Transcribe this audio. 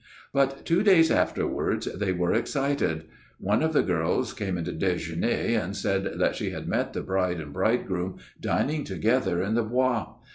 " But two days afterwards they were excited. One of the girls came into dejeuner ; and said that she had met the bride and bridegroom dining together in the Bois.